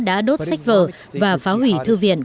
đã đốt sách vở và phá hủy thư viện